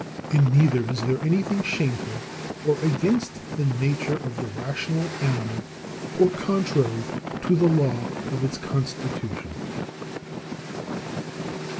In neither is there anything shameful or against the nature of the rational animal, or contrary to the law of its constitution.